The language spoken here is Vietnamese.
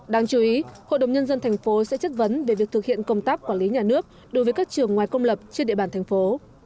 đáng chú ý hội đồng nhân dân thành phố sẽ chất vấn về việc thực hiện công tác quản lý nhà nước đối với các trường ngoài công lập trên địa bàn thành phố